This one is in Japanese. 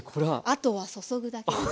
あとは注ぐだけです。